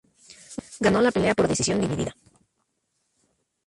Ganó la pelea por decisión dividida.